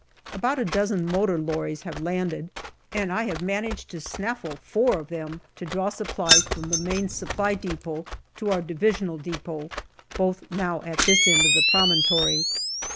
About a dozen motor lorries have landed, and I have managed to snaffle four of them to draw supplies from the Main Supply depot to our divisional depot, both now at this end of the promontory.